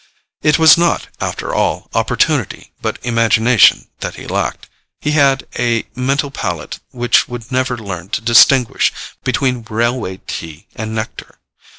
It was not, after all, opportunity but imagination that he lacked: he had a mental palate which would never learn to distinguish between railway tea and nectar.